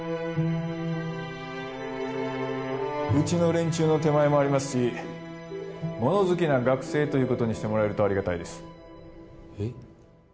うちの連中の手前もありますし物好きな学生ということにしてもらえるとありがたいですえッ？